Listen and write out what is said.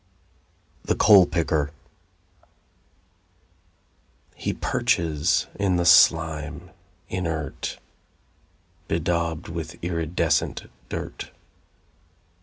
The Coal Picker He perches in the slime, inert, Bedaubed with iridescent dirt.